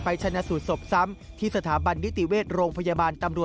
ชนะสูตรศพซ้ำที่สถาบันนิติเวชโรงพยาบาลตำรวจ